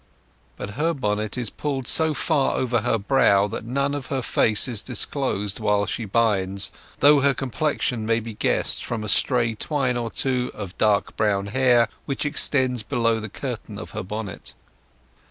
But her bonnet is pulled so far over her brow that none of her face is disclosed while she binds, though her complexion may be guessed from a stray twine or two of dark brown hair which extends below the curtain of her bonnet.